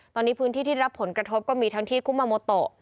ตอนนี้พื้นที่ที่รับผลกระทบก็มีทั้งที่กุมาโมโต